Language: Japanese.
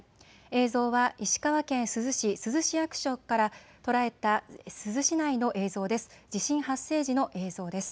映像は石川県珠洲市珠洲市役所から捉えた珠洲市内の映像です。